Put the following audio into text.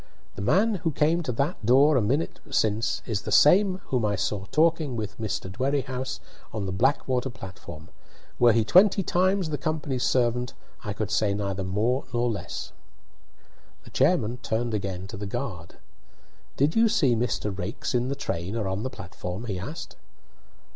The man who came to that door a minute since is the same whom I saw talking with Mr. Dwerrihouse on the Blackwater platform. Were he twenty times the company's servant, I could say neither more nor less." The chairman turned again to the guard. "Did you see Mr. Raikes in the train or on the platform?" he asked.